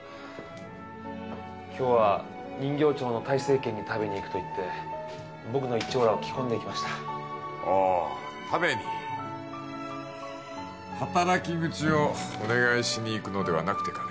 今日は人形町の泰西軒に食べに行くと言って僕の一張羅を着込んで行きましたおお食べに働き口をお願いしにいくのではなくてかね